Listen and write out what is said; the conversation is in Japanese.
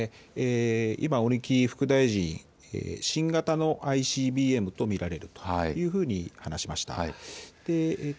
今、鬼木副大臣、新型のＩＣＢＭと見られるというふうに話しました。